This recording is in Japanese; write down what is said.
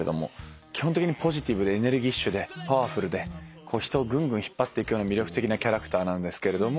基本的にポジティブでエネルギッシュでパワフルで人をぐんぐん引っ張っていくような魅力的なキャラクターなんですけれども。